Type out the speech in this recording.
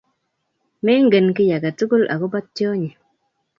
Mengen kiy ake tukul akopo tyonyi